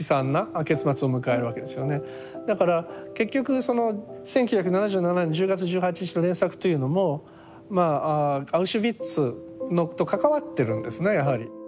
だから結局その「１９７７年１０月１８日」の連作というのもまあアウシュビッツと関わってるんですねやはり。